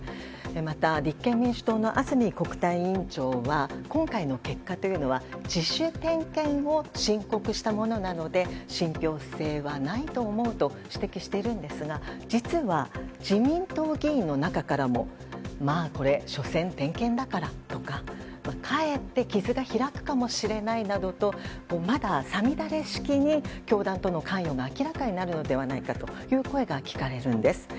また、立憲民主党の安住国対委員長は今回の結果は自主点検を申告したものなので信ぴょう性はないと思うと指摘しているんですが実は、自民党議員の中からもしょせん点検だからとかかえって傷が開くかもしれないなどとまだ五月雨式に教団との関与が明らかになるのではないかという声が聞かれるんです。